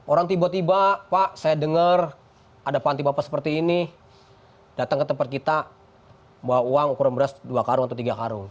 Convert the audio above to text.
orang tiba tiba pak saya dengar ada panti bapak seperti ini datang ke tempat kita bawa uang ukuran beras dua karung atau tiga karung